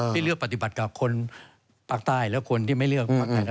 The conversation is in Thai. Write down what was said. ที่เลือกปฏิบัติกับคนภาคใต้และคนที่ไม่เลือกพักไทย